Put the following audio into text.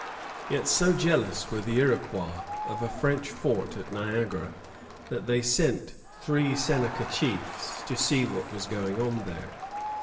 _ 1719] Yet so jealous were the Iroquois of a French fort at Niagara that they sent three Seneca chiefs to see what was going on there.